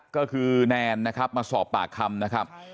ก็คือแนนนะครับมาสอบปากคำนะครับ